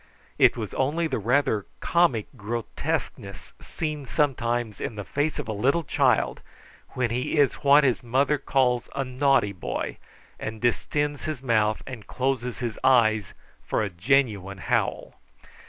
It was only the rather comic grotesqueness seen sometimes in the face of a little child when he is what his mother calls a naughty boy, and distends his mouth and closes his eyes for a genuine howl.